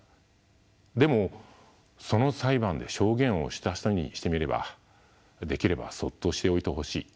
でもその裁判で証言をした人にしてみればできればそっとしておいてほしい。